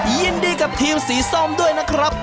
ยินดีกับทีมสีส้มด้วยนะครับ